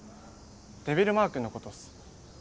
デビルまークンのことっす。